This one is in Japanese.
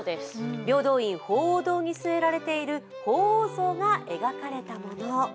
平等院鳳凰堂にすえられている鳳凰像が描かれたもの。